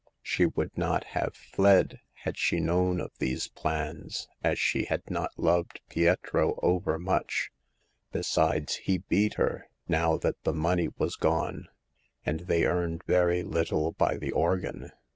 She would not have fled had she known of these plans, as she had not loved Pietro overmuch. Besides, he beat her, now that the money was gone ; and they earned very little by the organ.